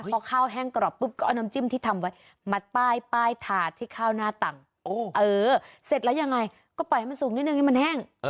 พอข้าวแห้งกรอบปุ๊บก็เอาน้ำจิ้มที่ทำไว้มัดป้ายถาดที่ข้าวหน้าต่างเสร็จแล้วยังไงก็ปล่อยให้มันสูงนิดนึงให้มันแห้ง